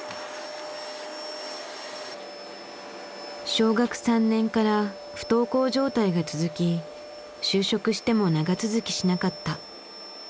小学３年から不登校状態が続き就職しても長続きしなかった。